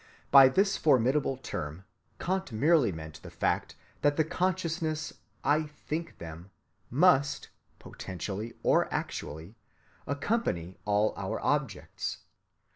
By this formidable term Kant merely meant the fact that the consciousness "I think them" must (potentially or actually) accompany all our objects.